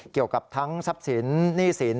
เกี่ยวกับทั้งทรัพย์สินหนี้สิน